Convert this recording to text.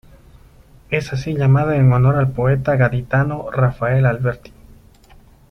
Es así llamada en honor al poeta gaditano Rafael Alberti.